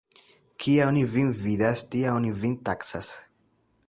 Kia oni vin vidas, tia oni vin taksas.